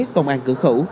công an cửa khẩu